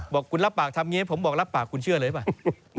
บอกคุณรับปากทำอย่างนี้ผมบอกรับปากคุณเชื่อเลยหรือเปล่า